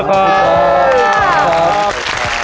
ขอบคุณทุกคน